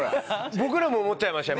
僕らも思っちゃいました